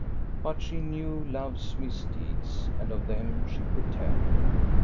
But she knew Love's misdeeds, and of them she could tell.